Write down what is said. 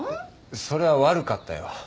それは悪かったよ。